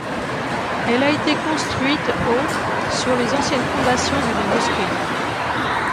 Elle a été construite au sur les anciennes fondations d'une mosquée.